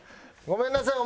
ごめんなさい。